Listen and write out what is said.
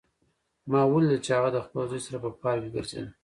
ما ولیدل چې هغه د خپل زوی سره په پارک کې ګرځېده